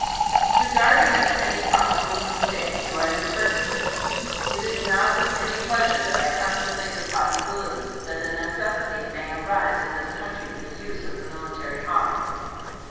To guard against any possible mistake do I recur to this. It is not with any pleasure that I contemplate the possibility that a neces sity may arise in this country for the use of the military arm.